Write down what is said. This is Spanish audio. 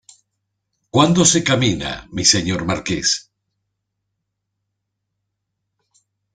¿ cuándo se camina, mi Señor Marqués?